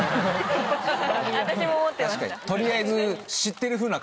取りあえず。